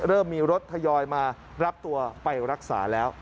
เริ่มมีรถทยอยมารับตัวไปรักษาแล้ว